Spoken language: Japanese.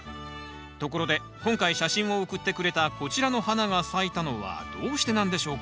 ところで今回写真を送ってくれたこちらの花が咲いたのはどうしてなんでしょうか？